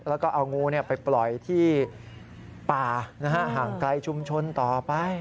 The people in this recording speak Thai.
แล้วก็เอางูไปปล่อยที่ป่าห่างไกลชุมชนต่อไป